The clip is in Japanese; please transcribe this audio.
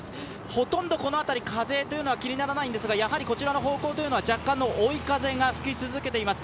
ほとんどこの辺り、風というのは気にならないんですがこちらの方向、若干の追い風が吹き続けています。